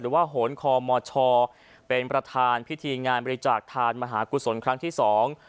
โหนคอมชเป็นประธานพิธีงานบริจาคทานมหากุศลครั้งที่สอง